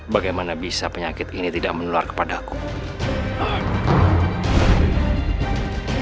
bagaimana kenapa penyakit itu tidak dowarkan mungkin untukku